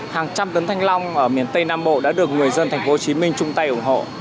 hàng trăm tấn thanh long ở miền tây nam bộ đã được người dân thành phố hồ chí minh chung tay ủng hộ